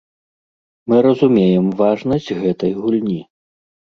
Мы разумеем важнасць гэтай гульні.